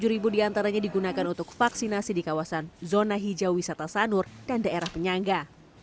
satu ratus empat puluh tujuh ribu diantaranya digunakan untuk vaksinasi di kawasan zona hijau wisata sanur dan daerah penyangga